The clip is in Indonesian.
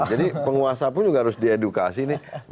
jadi penguasa pun juga harus diedukasi nih